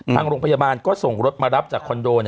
ทางโรงพยาบาลก็ส่งรถมารับจากคอนโด